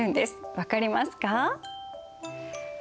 分かりますか？